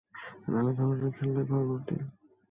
নানান ধরনের খেলনায় ঘর ভর্তি।